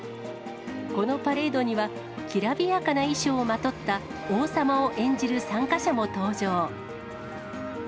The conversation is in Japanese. このパレードには、きらびやかな衣装をまとった王様を演じる参加者も登場。